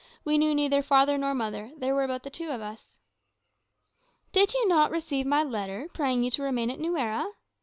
We knew neither father nor mother; there were but the two of us." "Did you not receive my letter, praying you to remain at Nuera?"